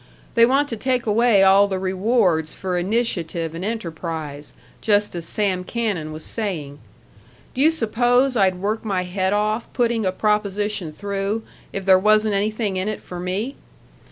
They want to take away all the rewards for initiative and enterprise, just as Sam Cannon was saying. Do you s'pose I'd work my head off putting a proposition through if there wasn't anything in it for me?